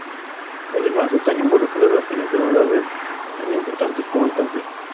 Además están involucradas en enfermedades tan importantes como el cáncer.